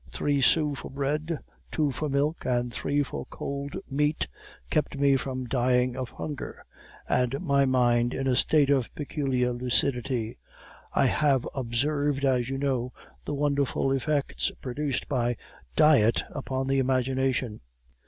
Three sous for bread, two for milk, and three for cold meat, kept me from dying of hunger, and my mind in a state of peculiar lucidity. I have observed, as you know, the wonderful effects produced by diet upon the imagination.